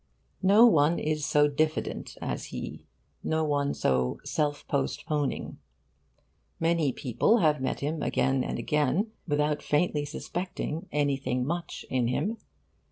No one is so diffident as he, no one so self postponing. Many people have met him again and again without faintly suspecting 'anything much' in him.